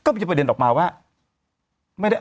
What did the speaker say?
ก็มีประเด็นออกมาว่า